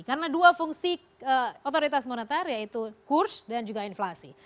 karena dua fungsi otoritas monetar yaitu kurs dan juga inflasi